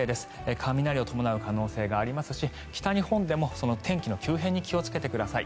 雷を伴う可能性がありますし北日本でも天気の急変に気をつけてください。